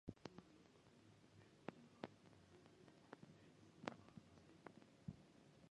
Mydans grew up playing on the Mystic River near Medford, near Boston, Massachusetts.